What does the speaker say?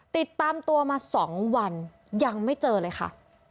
ติดตามตัวมา๒วันยังไม่เจอเลยค่ะ